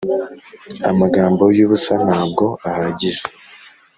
amagambo yubusa ntabwo ahagije